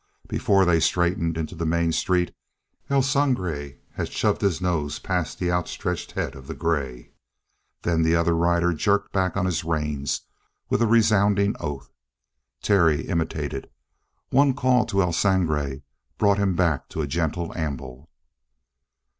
Before they straightened into the main street, El Sangre had shoved his nose past the outstretched head of the gray. Then the other rider jerked back on his reins with a resounding oath. Terry imitated; one call to El Sangre brought him back to a gentle amble.